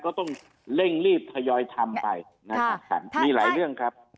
ก็ต้องเร่งรีบทยอยทำไปนะครับสันมีหลายเรื่องครับ